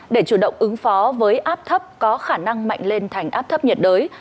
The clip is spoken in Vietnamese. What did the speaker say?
để chủ động ứng phó với áp thấp có khả năng mạnh lên thành áp thấp nhiệt đới